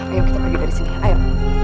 ayo kita pergi dari sini ayo